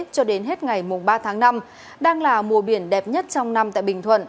cho đến hết ngày ba tháng năm đang là mùa biển đẹp nhất trong năm tại bình thuận